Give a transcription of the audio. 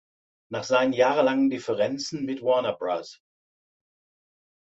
Nach seinen jahrelangen Differenzen mit Warner Bros.